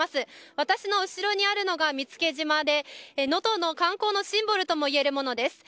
私の後ろにあるのが見附島で能登の観光のシンボルともいえるものです。